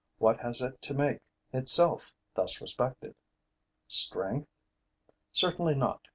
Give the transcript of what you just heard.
What has it to make itself thus respected? Strength? Certainly not.